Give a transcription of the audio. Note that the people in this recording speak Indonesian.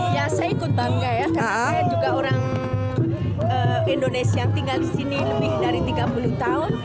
ya saya ikut bangga ya karena saya juga orang indonesia yang tinggal di sini lebih dari tiga puluh tahun